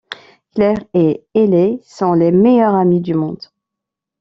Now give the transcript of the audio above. Claire et Hailey sont les meilleures amies du monde.